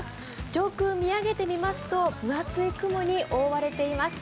上空見上げてみますと、分厚い雲に覆われています。